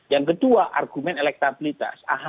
yang kedua argumen elektabilitas